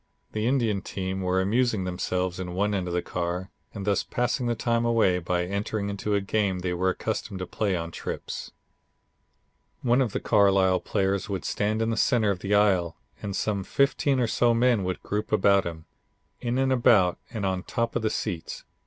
The Indian team were amusing themselves in one end of the car, and thus passing the time away by entering into a game they were accustomed to play on trips. One of the Carlisle players would stand in the center of the aisle and some fifteen or so men would group about him, in and about and on top of the seats.